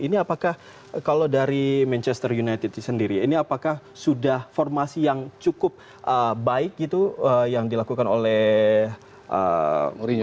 ini apakah kalau dari manchester united sendiri ini apakah sudah formasi yang cukup baik gitu yang dilakukan oleh mourinho